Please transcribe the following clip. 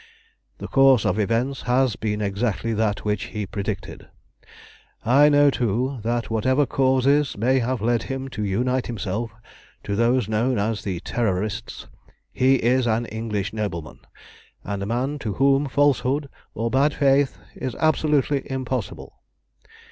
"The course of events has been exactly that which he predicted. I know, too, that whatever causes may have led him to unite himself to those known as the Terrorists, he is an English nobleman, and a man to whom falsehood or bad faith is absolutely impossible.